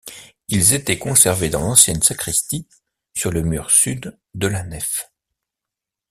Ils étaient conservés dans l'ancienne sacristie sur le mur sud de la nef.